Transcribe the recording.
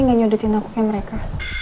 gak nyodotin aku ke mereka